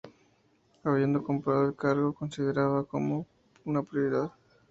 Habiendo comprado el cargo, le consideraba como una propiedad.